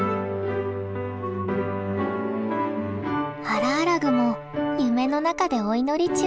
ハラアラグも夢の中でお祈り中？